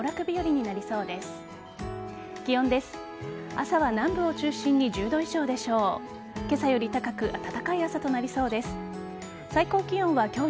朝は南部を中心に１０度以上でしょう。